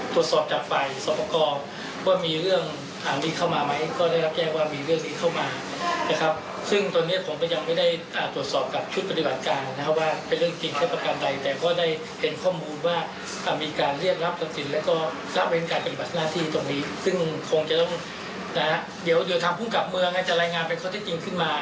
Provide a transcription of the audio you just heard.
ก็รับเว้นการปฏิบัติหน้าที่ตรงนี้ซึ่งคงจะต้องเดี๋ยวดูทางพุ่งกลับเมืองจะรายงานเป็นข้อเท็จจริงขึ้นมา